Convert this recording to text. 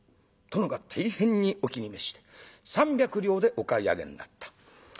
殿が大変にお気に召して３百両でお買い上げになった。